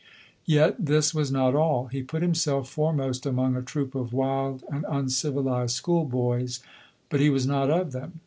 Yet this was not all. He put himself foremost among a troop of wild and uncivilized school boys; but he was not of them.